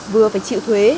vừa phải chịu thuế